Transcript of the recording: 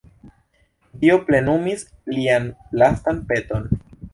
Dio plenumis lian lastan peton.